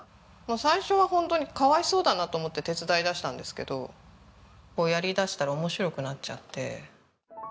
最初はホントにかわいそうだなと思って手伝いだしたんですけどやりだしたら面白くなっちゃって。